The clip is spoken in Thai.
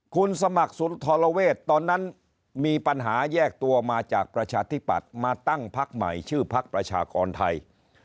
คุณสมัครสุนทรเวศตอนนั้นมีปัญหาแยกตัวมาจากประชาธิปัตย์มาตั้งพักใหม่ชื่อพักประชากรไทย